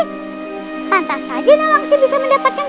pantas saja nawang si bisa mendapatkan